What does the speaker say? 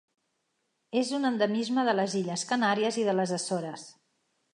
És un endemisme de les Illes Canàries i de les Açores.